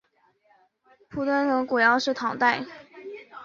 铺墩古窑址的历史年代为唐代。